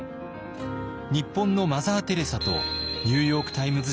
「日本のマザー・テレサ」とニューヨーク・タイムズ紙は評価しました。